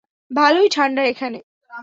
ভালোই ঠান্ডা এখানে।